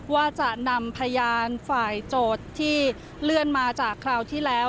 ว่าจะนำพยานฝ่ายโจทย์ที่เลื่อนมาจากคราวที่แล้ว